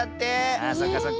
ああそうかそうか。